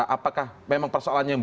apakah memang persoalannya yang